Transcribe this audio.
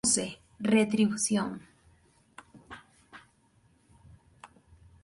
Muse: Retribution".